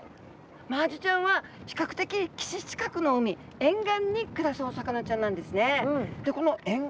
マアジちゃんは比較的岸近くの海沿岸に暮らすお魚ちゃんなんですね。